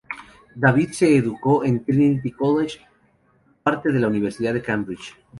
David se educó en Trinity College, parte de la Universidad de Cambridge.